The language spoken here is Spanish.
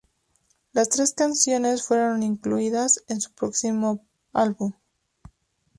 Las tres canciones fueron incluidas en su próximo álbum.